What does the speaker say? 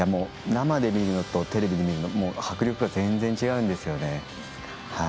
生で見るのとテレビで見るのは迫力が全然違うんですよね。